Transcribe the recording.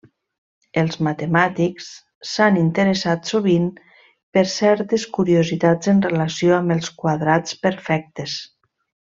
Els matemàtics s'han interessat sovint per certes curiositats en relació amb els quadrats perfectes.